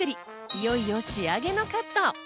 いよいよ仕上げのカット。